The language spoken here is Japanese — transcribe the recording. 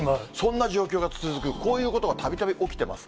そんな状況が続く、こういうことがたびたび起きてます。